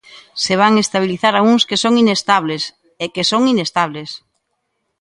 Se van estabilizar a uns que son inestables, é que son inestables.